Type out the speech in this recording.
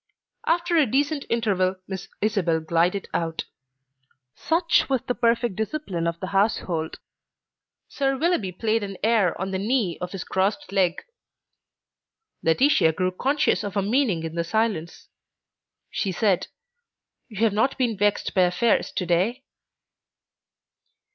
After a decent interval Miss Isabel glided out. Such was the perfect discipline of the household. Sir Willoughby played an air on the knee of his crossed leg. Laetitia grew conscious of a meaning in the silence. She said, "You have not been vexed by affairs to day?"